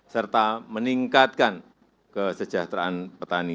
serta meningkatkan kesejahteraan petani